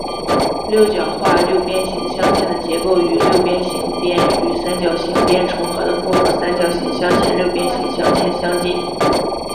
六角化六边形镶嵌的结构与六边形边与三角形边重合的复合三角形镶嵌六边形镶嵌相近。